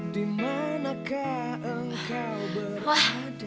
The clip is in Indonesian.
dimanakah engkau berada